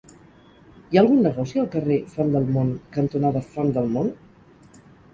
Hi ha algun negoci al carrer Font del Mont cantonada Font del Mont?